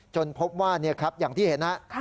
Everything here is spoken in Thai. จนพบว่าอย่างที่เห็นครับ